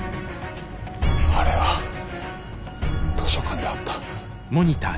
あれは図書館で会った。